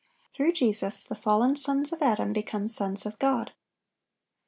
(827) Through Jesus the fallen sons of Adam become "sons of God."